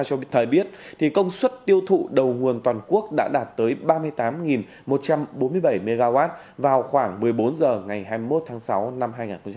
cho biết thời biết công suất tiêu thụ đầu nguồn toàn quốc đã đạt tới ba mươi tám một trăm bốn mươi bảy mw vào khoảng một mươi bốn h ngày hai mươi một tháng sáu năm hai nghìn hai mươi